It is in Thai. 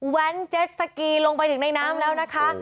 แว้นเจ็ดสกีลงไปถึงในน้ำแล้วนะคะ